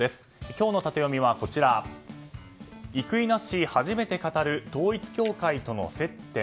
今日のタテヨミは生稲氏、初めて語る統一教会との接点。